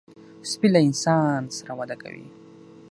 سپي له انسان سره وده کوي.